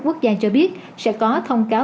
quốc gia cho biết sẽ có thông cáo